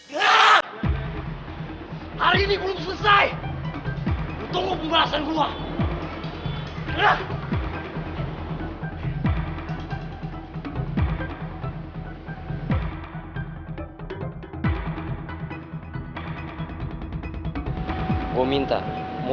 daripada gabung sama lo